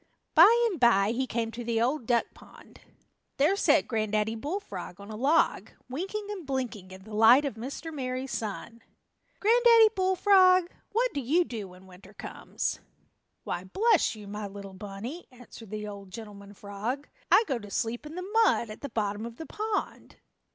By and by he came to the Old Duck Pond. There sat Granddaddy Bullfrog on a log, winking and blinking in the light of Mr. Merry Sun. "Granddaddy Bullfrog, what do you do when winter comes?" "Why, bless you, my little bunny," answered the old gentleman frog, "I go to sleep in the mud at the bottom of the pond."